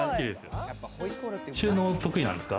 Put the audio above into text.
収納、得意ですか？